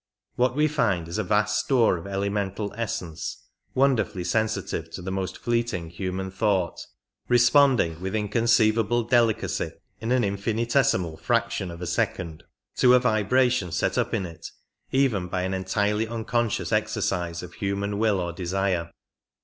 What we find is a vast store of elemental essence, wonderfully sen sitive to the most fleeting human thought, responding with inconceivable delicacy in an infinitesimal fraction of a 49 second to a vibration set up in it even by an entirely uncon scious exercise of human will or desire.